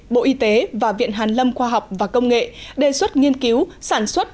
bộ y tế và viện hàn lâm khoa học và công nghệ đề xuất nghiên cứu sản xuất